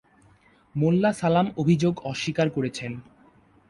মোল্লা সালাম অভিযোগ অস্বীকার করেছেন।